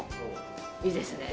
いいですね。